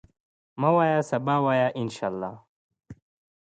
مه وایه سبا، وایه ان شاءالله.